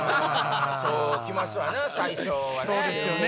そう来ますわな最初はね。